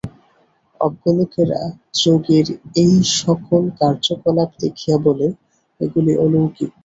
অজ্ঞলোকেরা যোগীর এই-সকল কার্যকলাপ দেখিয়া বলে, এগুলি অলৌকিক।